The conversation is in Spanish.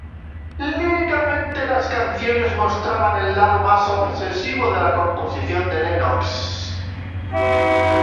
Líricamente las canciones mostraban el lado más obsesivo en la composición de Lennox.